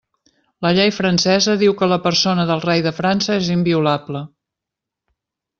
La llei francesa diu que la persona del rei de França és inviolable.